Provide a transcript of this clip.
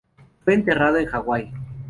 Fue enterrado en Hawái.